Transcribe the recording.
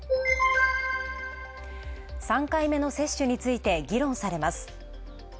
３回目の接種について議論されます。